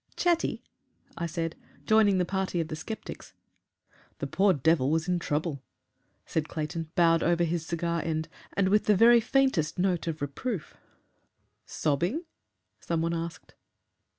"Chatty?" I said, joining the party of the sceptics. "The poor devil was in trouble," said Clayton, bowed over his cigar end and with the very faintest note of reproof. "Sobbing?" some one asked.